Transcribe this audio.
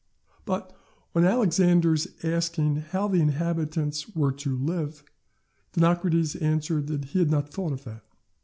But on Alexander asking how the inhabitants were to live, Dinocrates answered that he had not thought of that.